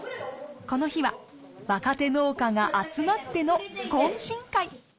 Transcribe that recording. この日は若手農家が集まっての懇親会。